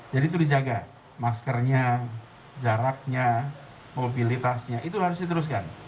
jadi itu dijaga maskernya jaraknya mobilitasnya itu harus diteruskan